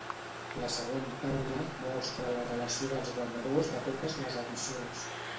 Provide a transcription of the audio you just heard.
La següent taula mostra la relació dels guanyadors de totes les edicions.